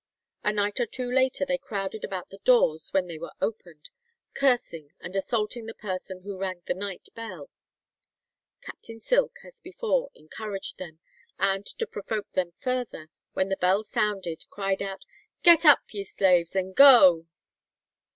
A night or two later they crowded about the doors when they were opened, cursing and assaulting the person who rang the night bell. Captain Silk, as before, encouraged them, and to provoke them further, when the bell sounded cried out, "Get up, ye slaves, and go."